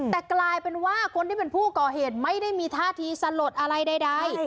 แต่กลายเป็นว่าคนที่เป็นผู้ก่อเหตุไม่ได้มีท่าทีสลดอะไรใด